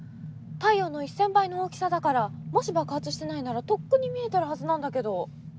太陽の１，０００倍の大きさだからもし爆発してないならとっくに見えてるはずなんだけど。